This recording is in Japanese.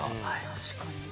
確かに。